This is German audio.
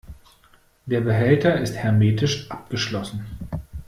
Der Behälter ist hermetisch abgeschlossen.